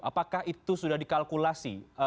apakah itu sudah dikalkulasi